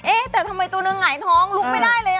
เอ๊ะแต่ทำไมตัวหนึ่งหายท้องลุกไม่ได้เลยอ่ะ